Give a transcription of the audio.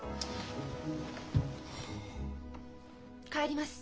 帰ります。